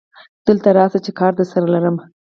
دلته ته راشه چې کار درسره لرم